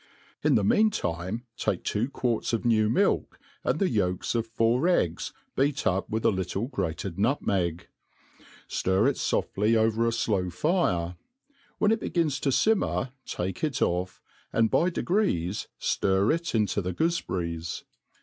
In the mean time take two quarts of new milk, and the yolks of four eggs beat up with a little grated nutmeg ; ftir it foftly over a flow fire; when it begins to fimmer take it oiF, and by degrees ftir it into the goofeberries.